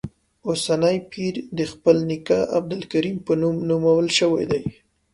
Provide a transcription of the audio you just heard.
اوسنی پیر د خپل نیکه عبدالکریم په نوم نومول شوی دی.